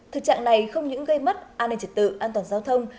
thực trạng này không những gây mất an ninh trật tự an toàn giao thông